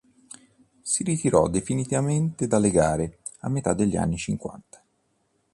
Si ritirò definitivamente dalle gare a metà degli anni cinquanta.